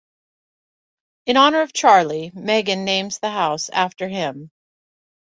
In honor of Charlie, Meghan names the house after him.